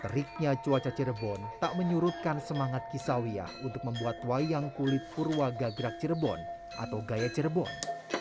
teriknya cuaca cirebon tak menyurutkan semangat kisawiyah untuk membuat wayang kulit kurwa gagrak cerebon atau gaya cerebon